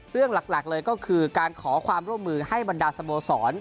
เรื่องหลักเลยก็คือการขอความร่วมมือให้บรรดาสโมสร